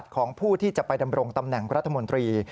ของผู้ที่จะไปดำรงตำแหน่งรัฐมนตรี